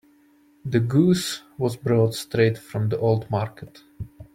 The goose was brought straight from the old market.